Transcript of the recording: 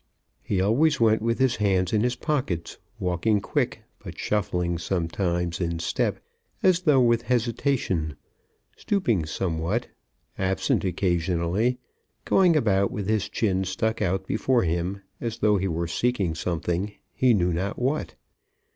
He always went with his hands in his pockets, walking quick, but shuffling sometimes in step as though with hesitation, stooping somewhat, absent occasionally, going about with his chin stuck out before him, as though he were seeking something, he knew not what.